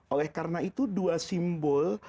oleh karena itu dua simbol